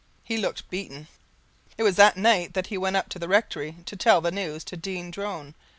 He looked beaten. It was that night that he went up to the rectory to tell the news to Dean Drone.